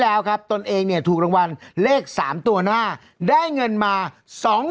แล้วครับตนเองเนี่ยถูกรางวัลเลข๓ตัวหน้าได้เงินมา๒๐๐๐